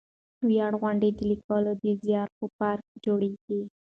ویاړ غونډې د لیکوالو د زیار په پار جوړېږي.